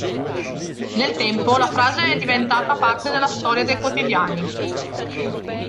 Nel tempo la frase è diventata parte della storia dei quotidiani.